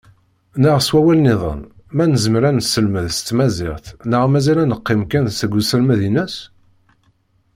Neɣ s wawal-nniḍen, ma nezmer ad neselmed s tmaziɣt neɣ mazal ad neqqim kan deg uselmed-ines?